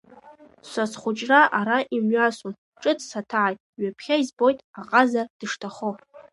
Са схәыҷра ара имҩасуан, ҿыц саҭааит, ҩаԥхьа избоит аҟаза дышҭахо…